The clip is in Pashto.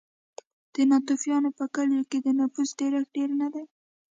د ناتوفیانو په کلیو کې د نفوسو ډېرښت ډېر نه دی.